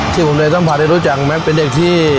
ที่ผมเลยสัมผัสได้รู้จักแมทเป็นเด็กที่